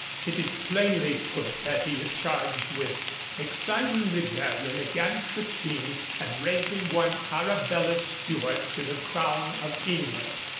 It is plainly put that he is charged with 'exciting rebellion against the King, and raising one Arabella Stuart to the Crown of England.'